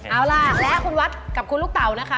เอาล่ะและคุณวัดกับคุณลูกเต๋านะคะ